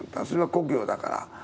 それは故郷だから。